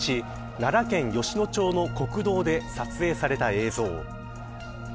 奈良県吉野町の国道で撮影された映像。